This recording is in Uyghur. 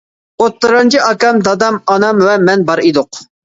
ئوتتۇرانچى ئاكام دادام ئانام ۋە مەن بار ئىدۇق.